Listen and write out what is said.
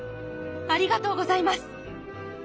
ありがとうございます。